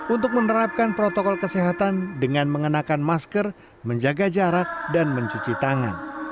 untuk menerapkan protokol kesehatan dengan mengenakan masker menjaga jarak dan mencuci tangan